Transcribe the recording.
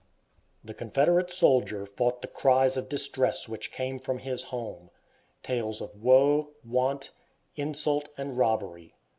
The Confederate soldier fought the cries of distress which came from his home, tales of woe, want, insult, and robbery.